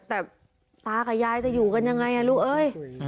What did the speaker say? แต่ตากับยายจะอยู่กันยังไงลูกเอ้ย